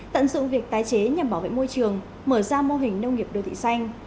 tận dụng việc tái chế nhằm bảo vệ môi trường mở ra mô hình nông nghiệp đô thị xanh